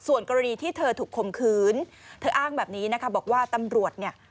ส่วนกรณีที่เธอถูกคมคืนเธออ้างแบบนี้นะคะบอกว่าตำรวจเนี่ย